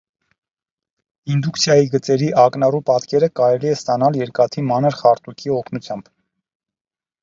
Ինդուկցիայի գծերի ակնառու պատկերը կարելի է ստանալ երկաթի մանր խարտուքի օգնությամբ։